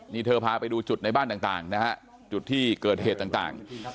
นี่เธอพาไปดูจุดในบ้านต่างนะฮะจุดที่เกิดเหตุต่าง